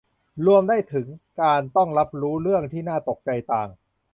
รวมได้ถึงการต้องรับรู้เรื่องที่น่าตกใจต่าง